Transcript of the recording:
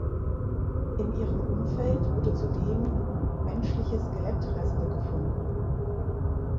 In ihrem Umfeld wurde zudem menschliche Skelettreste gefunden.